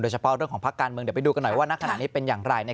เฉพาะเรื่องของภาคการเมืองเดี๋ยวไปดูกันหน่อยว่าณขณะนี้เป็นอย่างไร